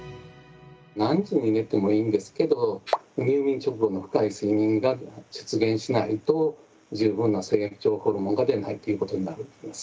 何時に寝てもいいんですけど入眠直後の深い睡眠が出現しないと十分な成長ホルモンが出ないということになると思います。